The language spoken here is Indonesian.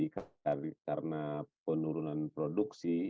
karena penurunan produksi